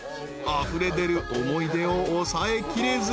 ［あふれ出る思い出を抑えきれず］